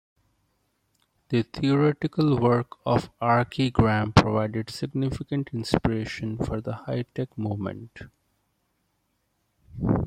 The theorical work of Archigram provided significant inspiration of the High-tec movement.